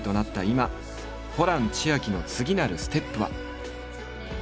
今ホラン千秋の次なるステップは。